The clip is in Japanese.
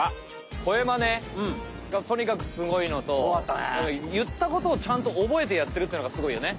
声マネがとにかくすごいのといったことをちゃんと覚えてやってるっていうのがすごいよね。